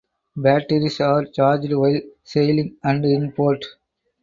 Batteries are charged while sailing and in port.